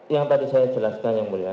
yang tadi saya jelaskan yang mulia